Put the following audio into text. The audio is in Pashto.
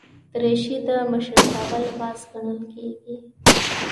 دریشي د مشرتابه لباس ګڼل کېږي.